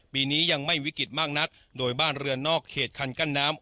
ปีนี้ยังไม่วิกฤตมากนักโดยบ้านเรือนนอกเขตคันกั้นน้ำ